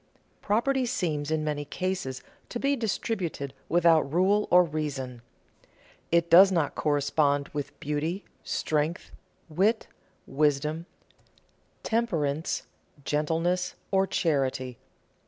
Property seems in many cases to be distributed without rule or reason. It does not correspond with beauty, strength, wit, wisdom, temperance, gentleness, or charity.